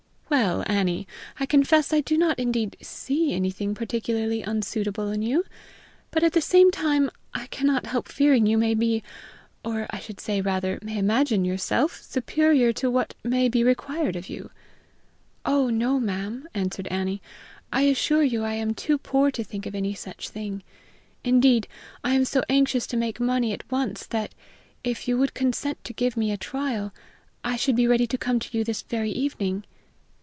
"Well, Annie, I confess I do not indeed see anything particularly unsuitable in you, but at the same time I cannot help fearing you may be or, I should say rather, may imagine yourself superior to what may be required of you." "Oh, no, ma'am!" answered Annie; "I assure you I am too poor to think of any such thing! Indeed, I am so anxious to make money at once that, if you would consent to give me a trial, I should be ready to come to you this very evening."